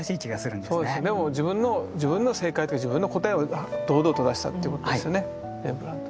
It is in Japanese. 自分の正解とか自分の答えを堂々と出したってことですよねレンブラント。